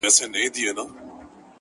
• د نېکۍ او د احسان خبري ښې دي,